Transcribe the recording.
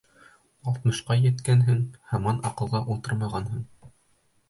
Алтмышҡа еткәнһең, һаман аҡылға ултырмағанһың.